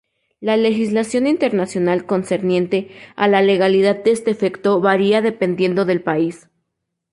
La legislación internacional concerniente a la legalidad de este efecto, varía dependiendo del país.